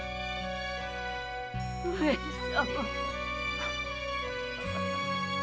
上様！